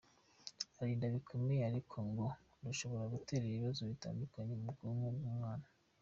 urinda bikomeye ariko ngo rushobora gutera ibibazo bitandukanye ku bwonko bw’umwana.